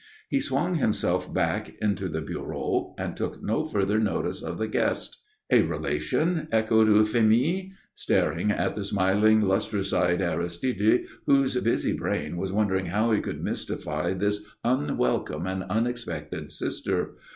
He swung himself back into the bureau and took no further notice of the guest. "A relation?" echoed Euphémie, staring at the smiling, lustrous eyed Aristide, whose busy brain was wondering how he could mystify this unwelcome and unexpected sister.